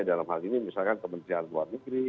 dalam hal ini misalkan kementerian luar negeri